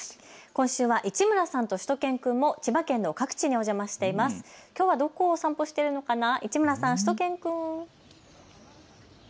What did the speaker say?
今週は市村さん、しゅと犬くんも千葉県の各地の邪魔していますがきょうはどこをお散歩しているのかな、市村さん、しゅと犬くん。